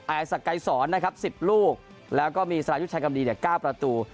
ไอศกัยสอนสิบลูกแล้วก็มีสลายยุชชายกรรมดีเก้าประตู